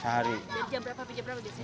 dari jam berapa